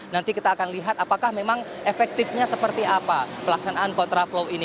nanti kita akan lihat apakah memang efektifnya seperti apa pelaksanaan kontraflow ini